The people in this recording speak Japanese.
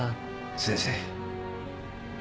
先生。